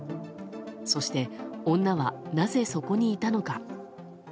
そして、女はなぜそこにいたのか。